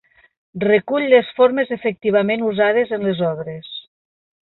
Recull les formes efectivament usades en les obres.